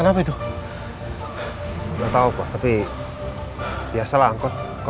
sampai jumpa di video selanjutnya